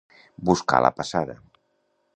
Buscar la passada.